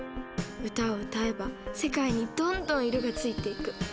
歌を歌えば世界にどんどん色がついていく。